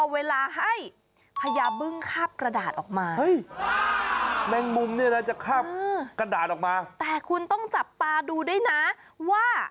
ว่าพญาบึ้งขาบกระดาษออกมา